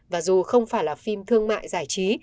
và dù không phải là phim thương mại giải trí